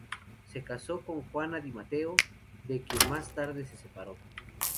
Se casó con Juana di Matteo de quien más tarde se separó.